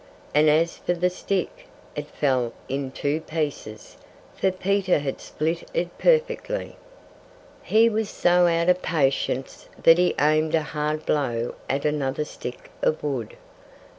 And as for the stick, it fell in two pieces; for Peter had split it perfectly. He was so out of patience that he aimed a hard blow at another stick of wood.